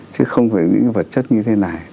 chứ không phải những vật chất như thế này